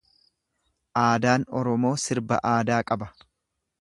Aadaan Oromoo sirba aadaa qaba.